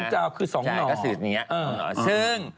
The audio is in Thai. ๒จาวคือ๒หน่อ